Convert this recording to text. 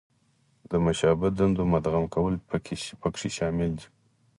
د مشابه دندو مدغم کول پکې شامل دي.